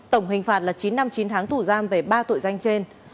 tổng hình phạt là chín năm chín tháng tù giam về ba tội danh trên